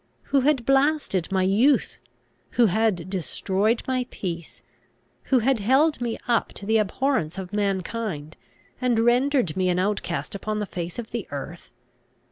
who had blasted my youth, who had destroyed my peace, who had held me up to the abhorrence of mankind, and rendered me an outcast upon the face of the earth?